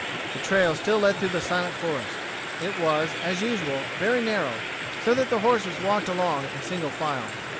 The trail still led through the silent forest. It was, as usual, very narrow, so that the horses walked along in single file.